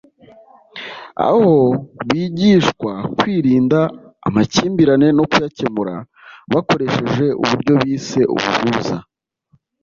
aho bigishwa kwirinda amakimbirane no kuyakemura bakoresheje uburyo bise “Ubuhuza”